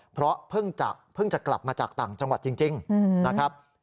เพราะเพิ่งจะกลับมาจากต่างจังหวัดจริงนะครับ